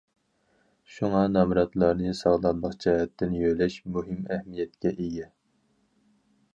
شۇڭا، نامراتلارنى ساغلاملىق جەھەتتىن يۆلەش مۇھىم ئەھمىيەتكە ئىگە.